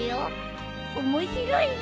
面白いね。